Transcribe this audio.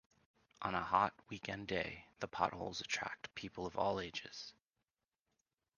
On a hot, weekend day, the potholes attract people of all ages.